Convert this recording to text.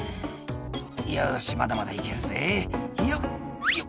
「よしまだまだ行けるぜよっよっ」